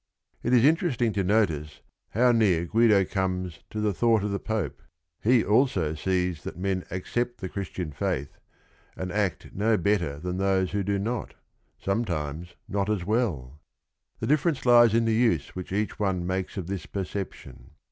It is interesting to notice how near Guido comes to the thought of the Pope. He also sees that men accept the Christian faith, and act no Wter thnn tl i 's" wl i "■!■■ n *4^ Fr" n°ti rn es not as well. Th? rjiflWpnrp l ies in the use which ea ch one makes of th is perception.